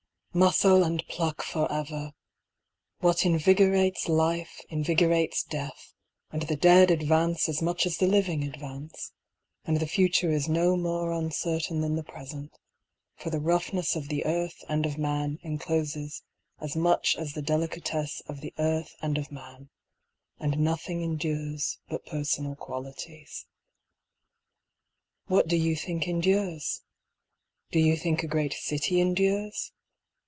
4 Muscle and pluck forever! What invigorates life invigorates death, And the dead advance as much as the living advance, And the future is no more uncertain than the present, For the roughness of the earth and of man encloses as much as the delicatesse of the earth and of man, And nothing endures but personal qualities. What do you think endures? Do you think a great city endures?